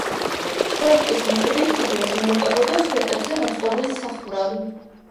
პროექტის მიხედვით კიბეს მიუყვებოდა სვეტებზე მოწყობილი სახურავი.